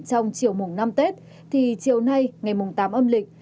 trong chiều mùng năm tết thì chiều nay ngày mùng tám âm lịch